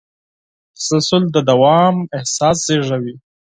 تسلسل د دوام احساس زېږوي.